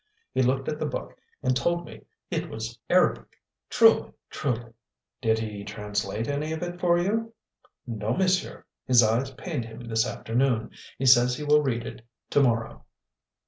He looked at the book and told me it was Arabic. Truly! Truly!" "Did he translate any of it for you?" "No, monsieur; his eyes pained him this afternoon. He says he will read it to morrow."